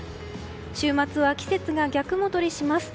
週末は、季節が逆戻りします。